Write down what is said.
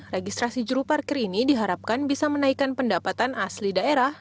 registrasi juru parkir ini diharapkan bisa menaikkan pendapatan asli daerah